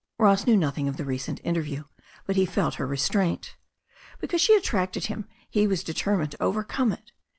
Ross knew nothing of the recent interview, but he felt her restraint. Because she attracted him he was deter mined to overcome it.